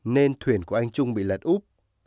nên thuyền của anh trung bị lật úp